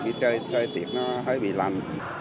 vì trời tiệc nó hơi bị lằn